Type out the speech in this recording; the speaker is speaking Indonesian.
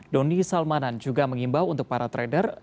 doni salmanan juga mengimbau untuk para trader